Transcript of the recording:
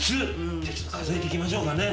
数えていきましょうかね。